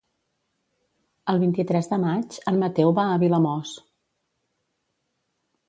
El vint-i-tres de maig en Mateu va a Vilamòs.